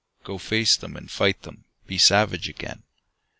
Go face them and fight them, Be savage again.